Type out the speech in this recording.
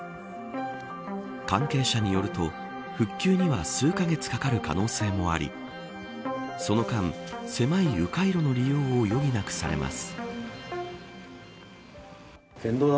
関係者によると復旧には数カ月かかる可能性もありその間狭い迂回路の利用を余儀なくされます。